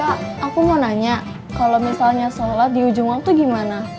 pak aku mau nanya kalau misalnya sholat di ujung waktu itu gimana